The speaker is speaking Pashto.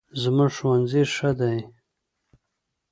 زموږ ښوونځی ښه دی